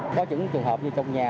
có những trường hợp như trong nhà